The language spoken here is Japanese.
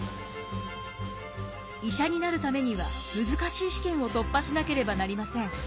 医者になるためには難しい試験を突破しなければなりません。